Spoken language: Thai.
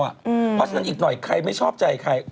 เพราะฉะนั้นอีกหน่อยใครไม่ชอบใจใคร